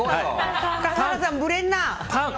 笠原さん、ぶれんな！